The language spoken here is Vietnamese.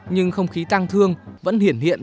nhưng không khí tăng thương vẫn hiện hiện